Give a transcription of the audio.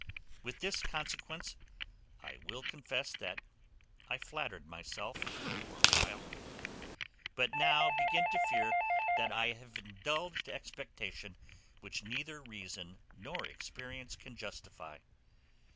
With this consequence I will confess that I flattered myself for a while; but now begin to fear that I have indulged expectation which neither reason nor experience can justify.